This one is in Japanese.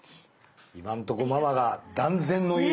今んとこママが断然の優位。